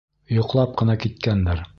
Йоҡлап ҡына киткәндер.